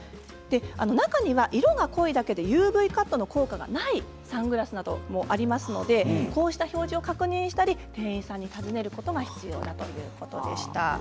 中には色が濃いだけでＵＶカットの効果がないサングラスなどもありますのでこうした表示を確認したり店員さんに尋ねることが必要だということでした。